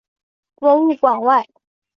博物馆外